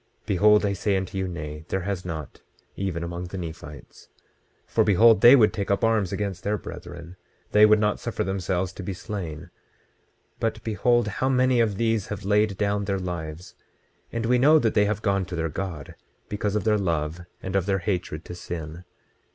Behold, I say unto you, Nay, there has not, even among the Nephites. 26:34 For behold, they would take up arms against their brethren; they would not suffer themselves to be slain. But behold how many of these have laid down their lives; and we know that they have gone to their God, because of their love and of their hatred to sin.